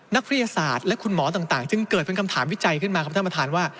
นักวิทยาศาสตร์และคุณหมอต่างจึงเกิดเป็นคำถามวิจัยขึ้นมาครับท่านประธานว่า